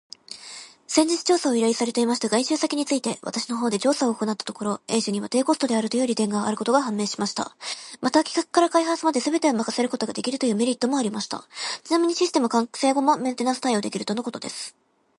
先日調査を依頼されていました外注先について、私の方で調査を行ったところ、A 社には低コストであるという利点があることが判明しました。また、企画から開発まですべてを任せることができるというメリットもありました。ちなみにシステム完成後もメンテナンス対応できるとのことです。